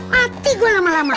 mati gua lama lama